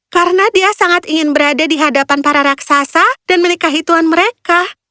karena dia sangat ingin berada di hadapan para raksasa dan menikahi tuan mereka